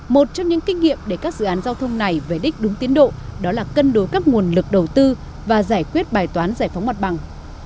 một trong những kinh nghiệm để các dự án giao thông này về đích đúng tiến độ đó là cân đối các nguồn lực đầu tư và giải quyết bài toán giải phóng mặt bằng